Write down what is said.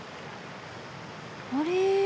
あれ？